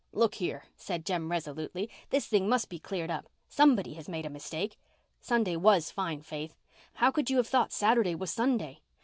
"Look here," said Jem resolutely, "this thing must be cleared up. Somebody has made a mistake. Sunday was fine, Faith. How could you have thought Saturday was Sunday?"